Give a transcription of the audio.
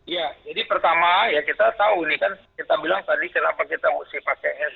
ya jadi pertama ya kita tahu ini kan sebuah virus